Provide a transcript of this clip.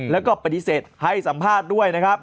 แล้วก็ปฏิเสธให้สัมภาษณ์ด้วยนะครับ